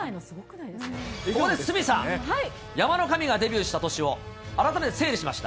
ここで鷲見さん、山の神がデビューした年を改めて整理しました。